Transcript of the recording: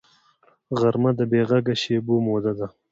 غرمه د بېغږه شېبو موده ده